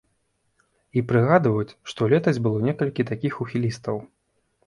І прыгадваюць, што летась было некалькі такіх ухілістаў.